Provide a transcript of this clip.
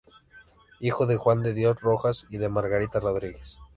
Hijo de Juan de Dios Rojas y de Margarita Rodríguez.